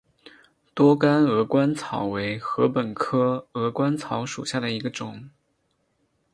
多秆鹅观草为禾本科鹅观草属下的一个种。